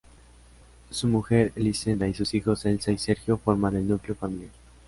Su mujer Elisenda, y sus hijos Elsa y Sergio, forman el núcleo familiar.